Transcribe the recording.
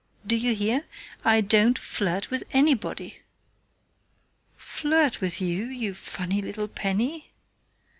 Do you hear? I don't flirt with anybody!" "Flirt with you, you funny little Penny?"